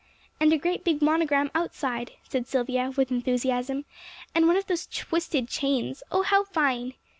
"And a great big monogram outside," said Silvia, with enthusiasm, "and one of those twisted chains oh, how fine!"